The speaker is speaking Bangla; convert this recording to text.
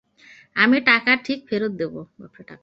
আমি টাকা ঠিক ফেরত দেব!